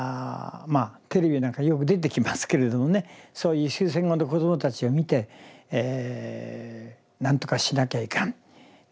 まあテレビなんかよく出てきますけれどもねそういう終戦後の子どもたちを見て「何とかしなきゃいかん」。